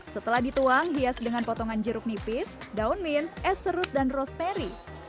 setelah dituang hias dengan potongan jeruk nipis daun min es serut dan rosemary